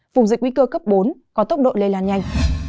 vùng dịch nguy cơ cấp bốn có tốc độ lây lan nhanh